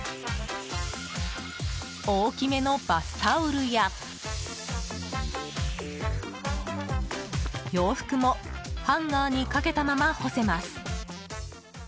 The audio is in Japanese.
大きめのバスタオルや洋服もハンガーにかけたまま干せます。